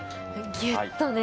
ぎゅっとね。